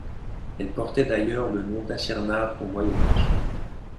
Elle portait d'ailleurs le nom d'Achernar au Moyen Âge.